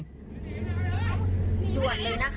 ตำรวจเลยนะค่ะ